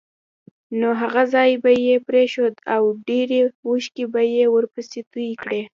نو هغه ځای به یې پرېښود او ډېرې اوښکې به یې ورپسې تویې کړې.